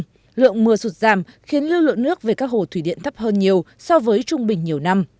tuy nhiên lượng mưa sụt giảm khiến lưu lượng nước về các hồ thủy điện thấp hơn nhiều so với trung bình nhiều năm